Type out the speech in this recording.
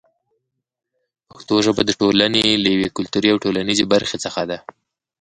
پښتو ژبه د ټولنې له یوې کلتوري او ټولنیزې برخې څخه ده.